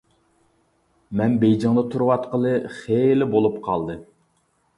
مەن بېيجىڭدا تۇرۇۋاتقىلى خېلى بولۇپ قالدى.